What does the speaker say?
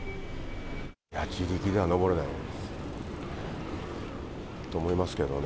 自力では登れないです、と思いますけどね。